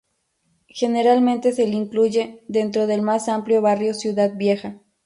Generalmente se le incluye dentro del más amplio barrio Ciudad Vieja.